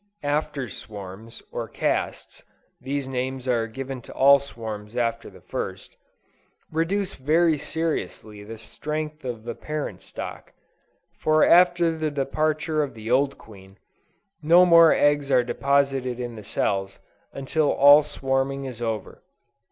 After swarms, or casts, (these names are given to all swarms after the first,) reduce very seriously the strength of the parent stock; for after the departure of the old queen, no more eggs are deposited in the cells, until all swarming is over.